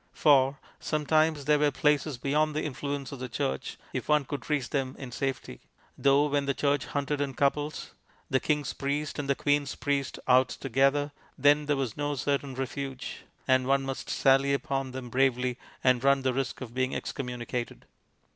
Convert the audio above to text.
For sometimes there were places beyond the influence of the Church, if one could reach them in safety; though when the Church hunted in couples, the king's priest and the queen's priest out together, then there was no certain refuge, and one must sally upon them bravely and run the risk of being excommunicated.